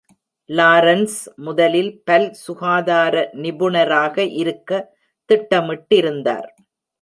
Lawrence முதலில் பல் சுகாதார நிபுணராக இருக்க திட்டமிட்டிருந்தார்.